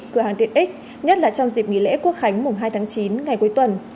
cửa hàng tiện ích nhất là trong dịp nghỉ lễ quốc khánh mùng hai tháng chín ngày cuối tuần